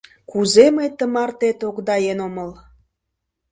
Кузе мый тымарте тогдаен омыл.